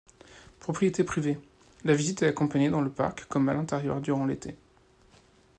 Propriété privée, la visite est accompagnée dans le parc comme à l'intérieur durant l'été.